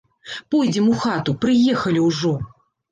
Пойдзем у хату, прыехалі ўжо.